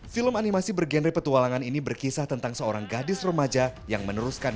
film animasi bergenre petualangan ini berkisah tentang seorang gadis remaja yang meneruskan